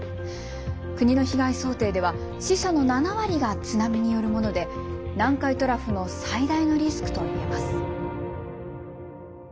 国の被害想定では死者の７割が津波によるもので南海トラフの最大のリスクといえます。